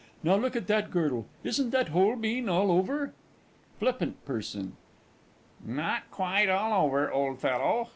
Now look at that girdle isn't that Holbein all over? FLIPPANT P. Not quite all over, old fellow.